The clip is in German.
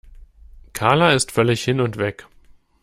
Karla ist völlig hin und weg.